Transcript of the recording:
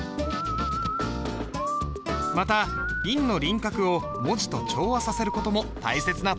また印の輪郭を文字と調和させる事も大切なポイント。